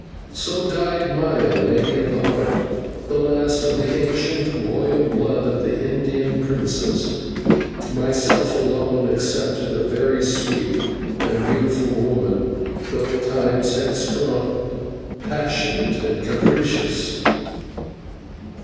So died Maya, Lady of the Heart, the last of the ancient royal blood of the Indian princes, myself alone excepted, a very sweet and beautiful woman, though at times headstrong, passionate, and capricious.